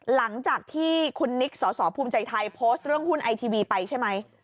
หลังจากที่คุณนิกสอสอภูมิใจไทยโพสต์เรื่องหุ้นไอทีวีไปใช่ไหม